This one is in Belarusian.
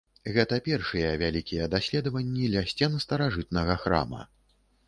Гэта першыя вялікія даследаванні ля сцен старажытнага храма.